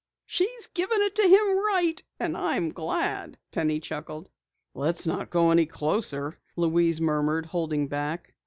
"She's giving it to him right, and I'm glad!" Penny chuckled. "Let's not go any closer," Louise murmured, holding back.